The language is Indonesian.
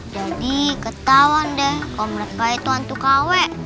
jadi ketahuan deh om ratba itu hantu kawe